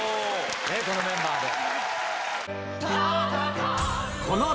このメンバーで。